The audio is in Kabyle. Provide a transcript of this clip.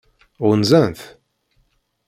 Ɣunzan-t?